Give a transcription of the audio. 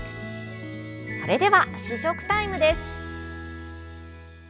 それでは試食タイムです。